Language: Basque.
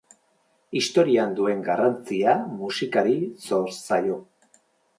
Historian duen garrantzia musikari zor zaio.